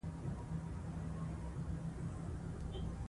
شاه محمود د خپل پلار میراث وساتلو.